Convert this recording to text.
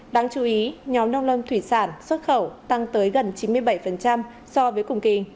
đáng chú ý nhóm nông lâm thủy sản xuất khẩu tăng tới gần chín mươi bảy so với cùng kỳ